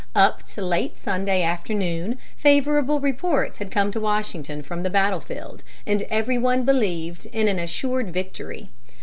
Up to late Sunday afternoon favorable reports had come to Washington from the battle field, and every one believed in an assured victory.